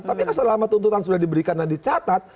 tapi kan selama tuntutan sudah diberikan dan dicatat